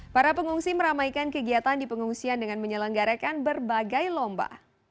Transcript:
para pengungsi meramaikan kegiatan di pengungsian dengan menyelenggarakan berbagai lomba